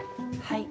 はい。